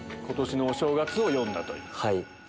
今年のお正月を詠んだという。